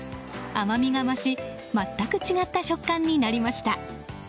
甘みが増し、全く違った食感になりました。